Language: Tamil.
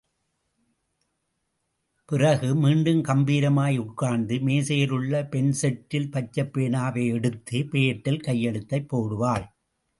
பிறகு மீண்டும் கம்பீரமாய் உட்கார்ந்து, மேஜையில் உள்ள பென் செட்டில் பச்சைப் பேனாவை எடுத்து, பேடில் கையெழுத்துப் போடுவாள்.